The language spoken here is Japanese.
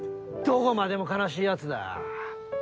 どこまでも悲しい奴だ。